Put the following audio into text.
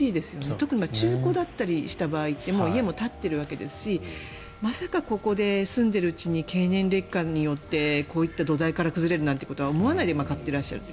特に中古だったりした場合ってもう家も立っているわけですしまさかここで立っている土地に経年劣化によってこういった土台から崩れるなんてことは思わないで買っていらっしゃる。